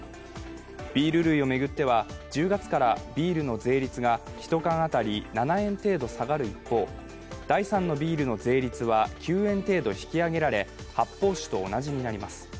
ビール類を巡っては１０月からビールの税率が１缶当たり７円程度下がる一方第３のビールの税率は９円程度引き上げられ、発泡酒と同じになります